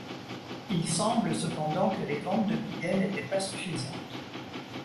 Il semble cependant que les ventes de billets n'étaient pas suffisantes.